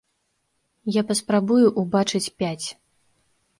Я паспрабую ўбачыць пяць.